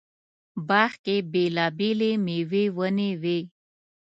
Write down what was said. باغ کې بېلابېلې مېوې ونې وې.